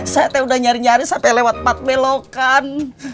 saya udah nyari nyari sampai lewat empat belokan